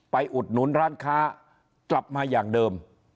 อุดหนุนร้านค้ากลับมาอย่างเดิม